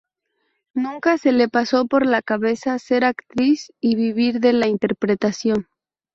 Nunca se le pasó por la cabeza ser actriz y vivir de la interpretación.